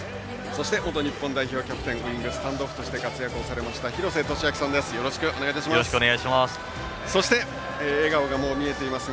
そして、元日本代表キャプテン、ウイングスタンドオフとして活躍されました廣瀬俊朗さんです。